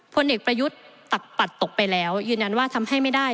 พลเอกประยุทธ์ตักปัดตกไปแล้วยืนยันว่าทำให้ไม่ได้